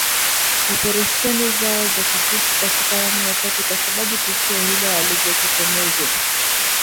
operesheni zao za kijeshi katika awamu ya tatu, kwa sababu tishio hilo halijatokomezwa